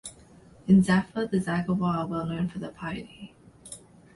In Darfur, the Zaghawa are well-known for their piety.